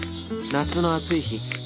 夏の暑い日